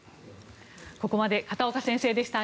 ここまで片岡先生でした。